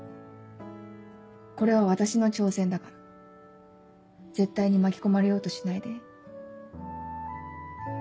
これは私の挑戦だから絶対に巻き込まれようとしないで。